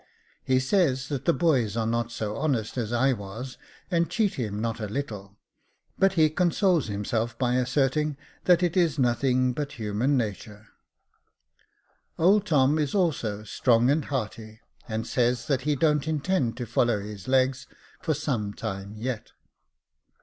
He says that the boys are not so honest as I was, and cheat him not a little j but he 428 Jacob Faithful consoles himself by asserting that it is nothing but human natur. Old Tom is also strong and hearty, and says that he don't intend to follow his legs for some time yet.